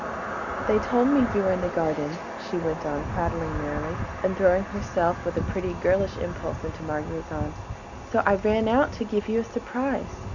"They told me you were in the garden," she went on prattling merrily, and throwing herself with pretty, girlish impulse into Marguerite's arms, "so I ran out to give you a surprise.